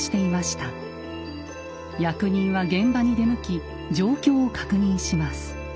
役人は現場に出向き状況を確認します。